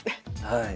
はい。